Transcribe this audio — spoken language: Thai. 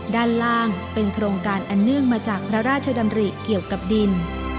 ด้านล่างเป็นโครงการอันเนื่องมาจากพระราชดำริเกี่ยวกับดิน